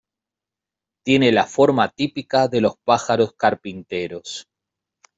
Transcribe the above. Tiene la forma típica de los pájaros carpinteros.